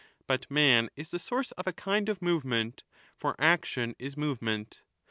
^ But man is the source of a kind of movement, for action is move ment.